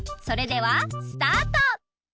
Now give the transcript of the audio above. それではスタート！